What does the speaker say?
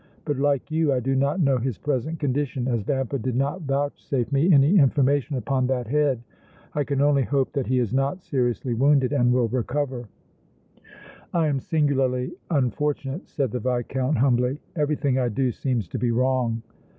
But like you I do not know his present condition, as Vampa did not vouchsafe me any information upon that head. I can only hope that he is not seriously wounded and will recover." "I am singularly unfortunate," said the Viscount, humbly. "Everything I do seems to be wrong."